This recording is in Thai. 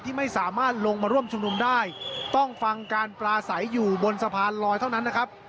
ที่ไม่สามารถลงมาร่วมชุมนุมได้ต้องฟังการปลาใสอยู่บนสะพานลอยเท่านั้นนะครับ